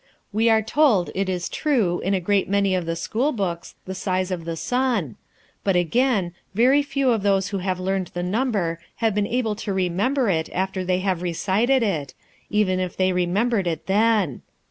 We are told, it is true, in a great many of the school books, the size of the sun; but, again, very few of those who have learned the number have been able to remember it after they have recited it, even if they remembered it then.